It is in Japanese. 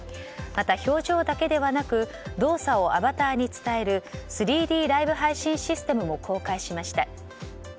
また表情だけではなく動作をアバターに伝える３Ｄライブ配信システムも公開しました。